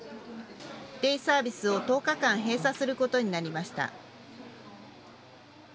デイサービスを１０日間、閉鎖することになりました。